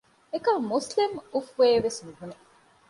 އެކަމަކު މުސްލިމް އުފްއޭވެސް ނުބުނެ